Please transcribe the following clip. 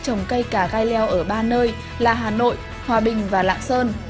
trồng cây cà gai leo ở ba nơi là hà nội hòa bình và lạng sơn